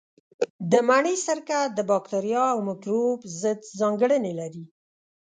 د مڼې سرکه د باکتریا او مېکروب ضد ځانګړنې لري.